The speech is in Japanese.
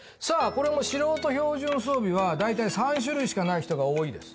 これも素人標準装備は大体３種類しかない人が多いです